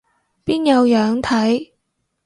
邊有樣睇